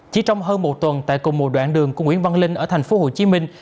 chỉ trong hơn một tuần tại cùng một đoạn đường của nguyễn văn linh ở thành phố hồ chí minh